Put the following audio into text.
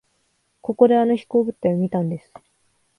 ここであの飛行物体を見たんです。